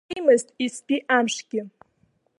Иҽеимызт иацтәи амшгьы.